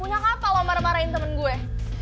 punya kenapa lo marah marahin temen gue